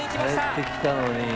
帰ってきたのに。